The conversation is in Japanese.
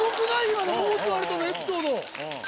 今のモーツァルトのエピソード。